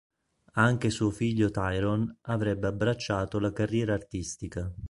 Anche suo figlio Tyrone avrebbe abbracciato la carriera artistica.